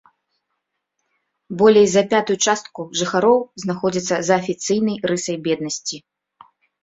Болей за пятую частку жыхароў знаходзяцца за афіцыйнай рысай беднасці.